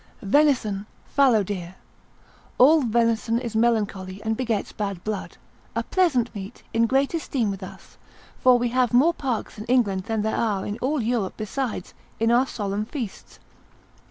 Venison, Fallow Deer.] All venison is melancholy, and begets bad blood; a pleasant meat: in great esteem with us (for we have more parks in England than there are in all Europe besides) in our solemn feasts.